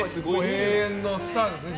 永遠のスターですよね